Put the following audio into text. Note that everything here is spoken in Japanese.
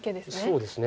そうですね。